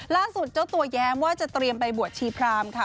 ล่าสุดเจ้าตัวย้ำว่าจะเตรียมไปบวชชีพรามค่ะ